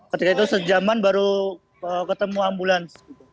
ketika itu sejaman baru ketemu ambulans